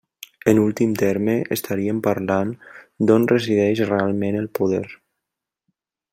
En últim terme estaríem parlant d'on resideix realment el poder.